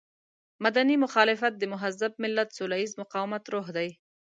مدني مخالفت د مهذب ملت سوله ييز مقاومت روح دی.